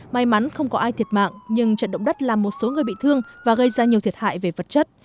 may mắn không có ai thiệt mạng nhưng trận động đất làm một số người bị thương và gây ra nhiều thiệt hại về vật chất